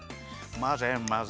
まぜまぜ！